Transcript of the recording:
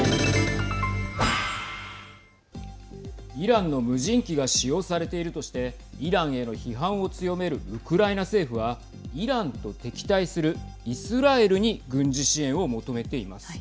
イランの無人機が使用されているとしてイランへの批判を強めるウクライナ政府はイランと敵対するイスラエルに軍事支援を求めています。